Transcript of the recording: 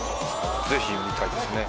ぜひ見たいですね。